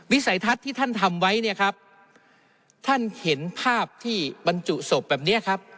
สัยทัศน์ที่ท่านทำไว้เนี่ยครับท่านเห็นภาพที่บรรจุศพแบบเนี้ยครับ